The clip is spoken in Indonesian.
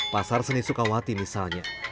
pasar seni sukawati misalnya